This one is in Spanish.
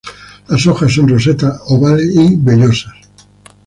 Las hojas son rosetas ovales y vellosas.